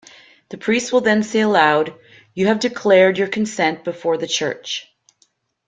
The priest will then say aloud You have declared your consent before the Church.